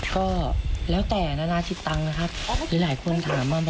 ก็แล้วแต่อนาคติดตังค์นะครับ